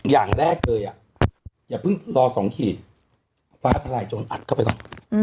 อย่างแรกเลยอย่าเพิ่งรอ๒ขีดฟ้าทลายโจรอัดเข้าไปก่อน